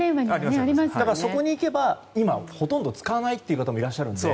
そこに行けば今、ほとんど使わない方もいらっしゃるので